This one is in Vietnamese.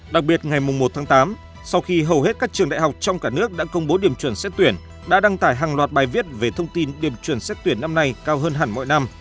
đặc biệt ngày một tháng tám sau khi hầu hết các trường đại học trong cả nước đã công bố điểm chuẩn xét tuyển đã đăng tải hàng loạt bài viết về thông tin điểm chuẩn xét tuyển năm nay cao hơn hẳn mọi năm